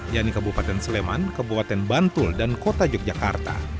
yaitu kabupaten sleman kabupaten bantul dan kota yogyakarta